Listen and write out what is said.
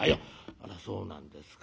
「あらそうなんですか。